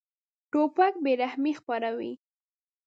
توپک بېرحمي خپروي.